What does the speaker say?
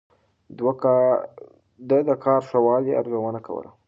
ده د کار د ښه والي ارزونه کوله.